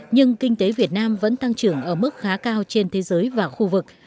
nhưng kinh tế việt nam vẫn tăng trưởng ở mức khá cao trên thế giới và khu vực